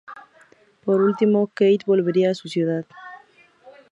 Por último, Kate volvería a su ciudad.